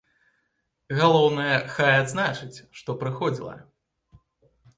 Галоўнае, хай адзначаць, што прыходзіла.